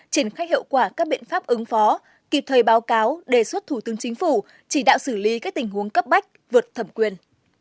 triển khai hiệu quả các biện pháp ứng phó kịp thời báo cáo đề xuất thủ tướng chính phủ chỉ đạo xử lý các tình huống cấp bách vượt thẩm quyền